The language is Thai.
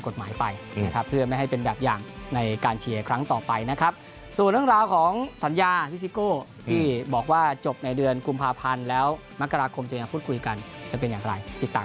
ใช่ครับที่เจอกับทางสาวดีอาราบี